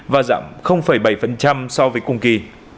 và giảm bảy so với cùng kỳ